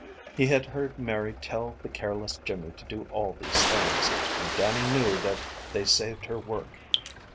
He had heard Mary tell the careless Jimmy to do all these things, and Dannie knew that they saved her work.